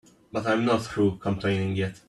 But I'm not through complaining yet.